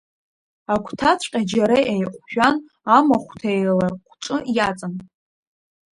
Агәҭаҵәҟьа џьара еиҟәжәан, амахәқәа еиларҟәҿы иаҵан.